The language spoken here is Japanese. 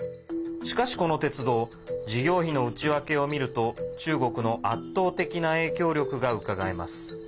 しかし、この鉄道事業費の内訳を見ると中国の圧倒的な影響力がうかがえます。